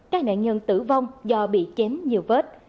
các nạn nhân tử vong do bị chém nhiều vết